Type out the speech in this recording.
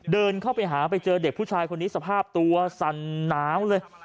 เดินเข้าไปหาไปเจอเด็กผู้ชายคนนี้สภาพตัวสั่นหนาวเลย